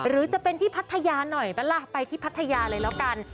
หรือจะเป็นที่พัทยาหน่อยปะล่ะไปที่พัทยาเลยแล้วกัน